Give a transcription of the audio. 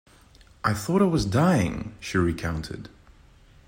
"I thought I was dying," she recounted.